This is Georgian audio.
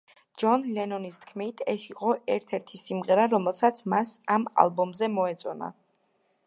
ჯონ ლენონის თქმით, ეს იყო ერთ-ერთი სიმღერა, რომელსაც მას ამ ალბომზე მოეწონა.